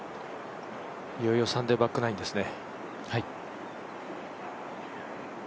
いよいよサンデーバックナインですね。